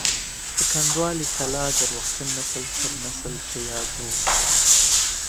د کنډوالې کلا درواغجن نسل پر نسل په یادو وو.